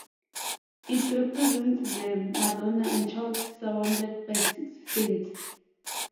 It represents the Madonna and Child surrounded by six saints.